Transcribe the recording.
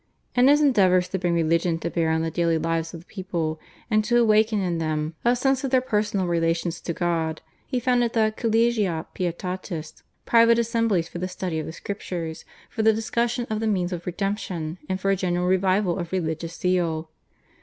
In his endeavours to bring religion to bear on the daily lives of the people and to awaken in them a sense of their personal relations to God he founded the /Collegia Pietatis/, private assemblies for the study of the Scriptures, for the discussion of the means of redemption, and for a general revival of religious zeal.